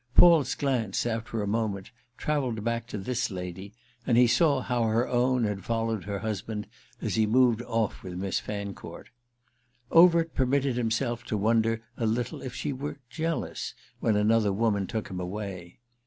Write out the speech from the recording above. Paul's glance, after a moment, travelled back to this lady, and he saw how her own had followed her husband as he moved off with Miss Fancourt. Overt permitted himself to wonder a little if she were jealous when another woman took him away.